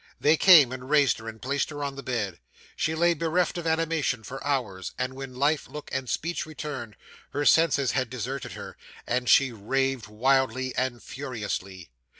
'They came, and raised her, and placed her on the bed. She lay bereft of animation for hours; and when life, look, and speech returned, her senses had deserted her, and she raved wildly and furiously.